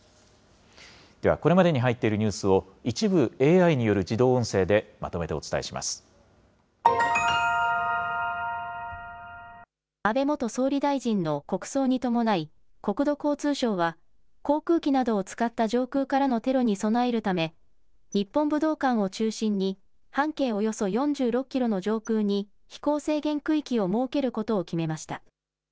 では、これまでに入っているニュースを、一部ＡＩによる自動音声でまとめ安倍元総理大臣の国葬に伴い、国土交通省は、航空機などを使った上空からのテロに備えるため、日本武道館を中心に半径およそ４６キロの上空に飛行制限区域を設けることを決めました。